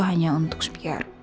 hanya untuk supaya